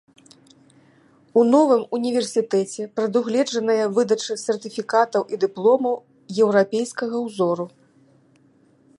У новым універсітэце прадугледжаная выдача сертыфікатаў і дыпломаў еўрапейскага ўзору.